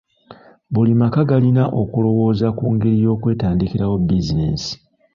Buli maka galina okulowooza ku ngeri y'okwetandikirawo bizinensi.